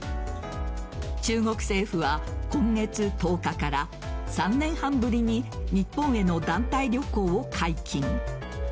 中国政府は今月１０日から３年半ぶりに日本への団体旅行を解禁。